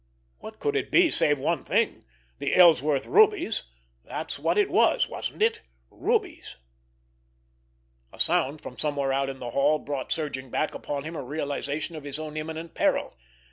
What could it be save one thing! The Ellsworth rubies! That was it, wasn't it—rubies! A sound from somewhere out in the hall brought surging back upon him a realization of his own imminent peril.